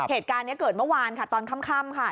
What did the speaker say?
เหตุการณ์นี้เกิดเมื่อวานค่ะตอนค่ำค่ะ